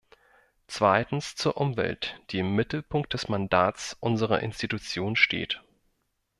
Zweitens zur Umwelt, die im Mittelpunkt des Mandats unserer Institution steht.